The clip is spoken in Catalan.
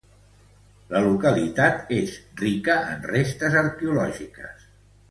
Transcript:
La localitat és rica en restes arqueològiques.